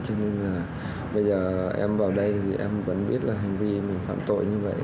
cho nên là bây giờ em vào đây thì em vẫn biết là hành vi mình phạm tội như vậy